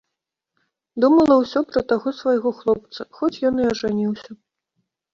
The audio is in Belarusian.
Думала ўсё пра таго свайго хлопца, хоць ён і ажаніўся.